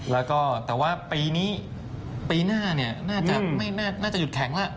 แล้วก็แต่ว่าปีนี้ปีหน้าเนี่ยน่าจะหยุดแข็งแล้ว